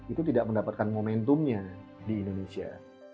itu tidak mendapatkan momentumnya di indonesia